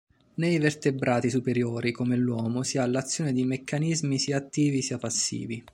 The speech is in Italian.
Nei vertebrati superiori, come l'uomo, si ha l'azione di meccanismi sia attivi sia passivi.